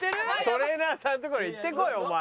トレーナーさんのところへ行ってこいお前。